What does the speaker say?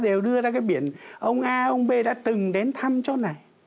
đều đưa ra cái biển ông a ông b đã từng đến thăm chỗ này